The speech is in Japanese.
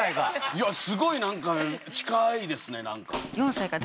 いやすごい何か近いですね。